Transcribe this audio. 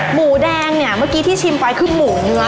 หมูแดงเมื่อกี้ที่ชิมไปคือหมูนึก